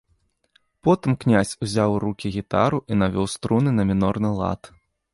Потым князь узяў у рукі гітару і навёў струны на мінорны лад.